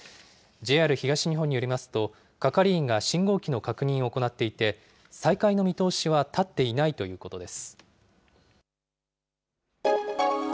ＪＲ東日本によりますと、係員が信号機の確認を行っていて、再開の見通しは立っていないということです。